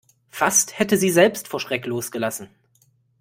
Fast hätte sie selbst vor Schreck losgelassen.